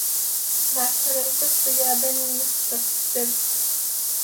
معشر القبط يا بني مصر في السر